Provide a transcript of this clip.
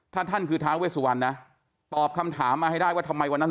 ถ้าท่านคือท้าเวสุวรรณนะตอบคำถามมาให้ได้ว่าทำไมวันนั้น